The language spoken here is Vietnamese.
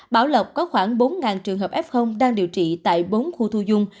bảo lộc có khoảng bốn trường hợp f đang điều trị tại bốn khu thu dung